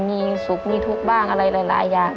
มีสุขมีทุกข์บ้างอะไรหลายอย่าง